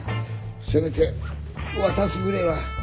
せめて渡すぐれえは。